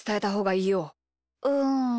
うん。